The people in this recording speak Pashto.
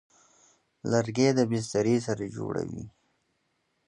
لرګی د بسترې سر جوړوي.